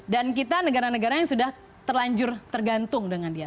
dan kita negara negara yang sudah terlanjur tergantung dengan dia